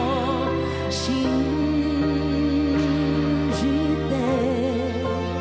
「信じて」